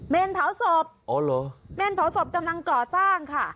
เผาศพอ๋อเหรอเมนเผาศพกำลังก่อสร้างค่ะ